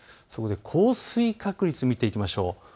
降水確率を見ていきましょう。